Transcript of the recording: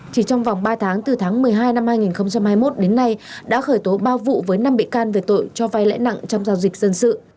chỉ trong vòng ba tháng từ tháng một mươi hai năm hai nghìn hai mươi một đến nay đã khởi tố ba vụ với năm bị can về tội cho vai lãi nặng trong giao dịch dân sự